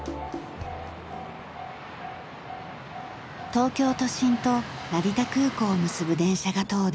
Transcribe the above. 東京都心と成田空港を結ぶ電車が通る